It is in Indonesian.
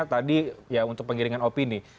tadi ya untuk pengiringan opini